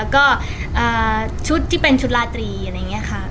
แล้วก็ชุดที่เป็นชุดลาตรีอะไรอย่างนี้ค่ะ